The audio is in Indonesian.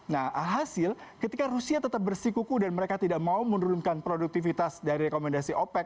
nah alhasil ketika rusia tetap bersikuku dan mereka tidak mau menurunkan produktivitas dari rekomendasi opec